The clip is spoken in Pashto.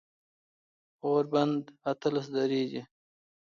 غوربند اتلس درې دی